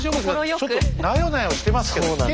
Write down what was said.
ちょっとなよなよしてますけど引ける？